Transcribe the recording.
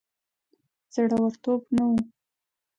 زړه ورتوب نه وو.